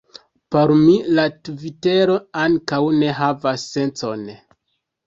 Por mi la Tvitero ankaŭ ne havas sencon.